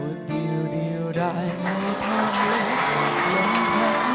รถเดียวได้ไม่เท่าเนียด